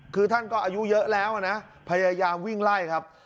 คือท่านก็อายุเยอะแล้วนะพยายามวิ่งไล่ครับ